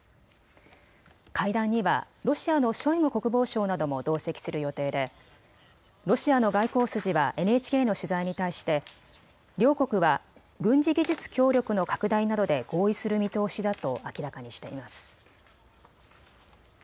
会談にはロシアのショイグ国防相なども同席する予定でロシアの外交筋はＮＨＫの取材に対して両国は軍事技術協力の拡大などで合意する見通しだと明らかにしています。